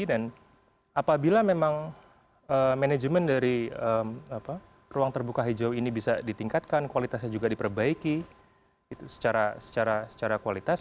dan apabila memang manajemen dari ruang terbuka hijau ini bisa ditingkatkan kualitasnya juga diperbaiki secara kualitas